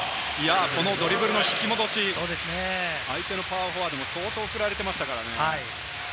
このドリブルの引き戻し、相手のパワーフォワードも相当振られていました。